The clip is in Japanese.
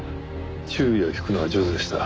注意を引くのが上手でした。